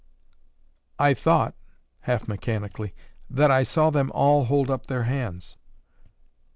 "I thought" half mechanically "that I saw them all hold up their hands."